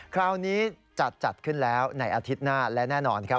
คราวนี้จัดขึ้นแล้วในอาทิตย์หน้าและแน่นอนครับ